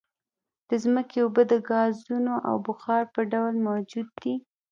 د ځمکې اوبه د ګازونو او بخار په ډول موجود دي